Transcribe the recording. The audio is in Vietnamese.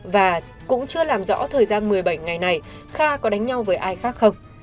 và cũng chưa làm rõ thời gian một mươi bảy ngày này kha có đánh nhau với ai khác không